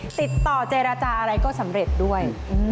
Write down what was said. ติดต่อเจรจาอะไรก็สำเร็จด้วย